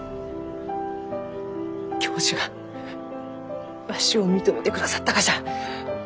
教授がわしを認めてくださったがじゃ！